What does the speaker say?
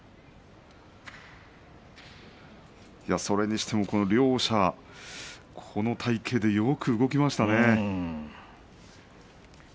それにしても両者この体形でよく動きましたね。